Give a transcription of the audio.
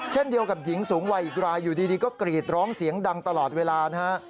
เช่นเดียวกับหญิงสูงวัยอีกรายอยู่ดีก็กรีดร้องเสียงดังตลอดเวลานะฮะ